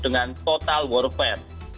dengan total warfare